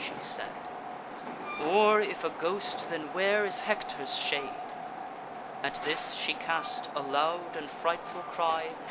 she said, 'Or if a ghost, then where is Hector's shade?' At this, she cast a loud and frightful cry.